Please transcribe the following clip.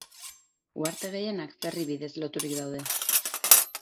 Uharte gehienak ferry bidez loturik daude.